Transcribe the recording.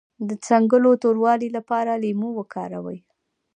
د څنګلو د توروالي لپاره لیمو وکاروئ